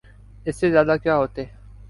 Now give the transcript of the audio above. اس سے زیادہ کیا ہوتے؟